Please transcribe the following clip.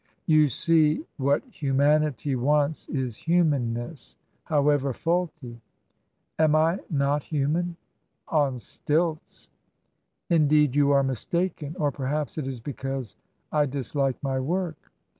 " You see what humanity wants is humanness — how ever faulty." " Am I not human ?" On stilts." Indeed, you are mistaken ! Or perhaps it is because I dislike my work."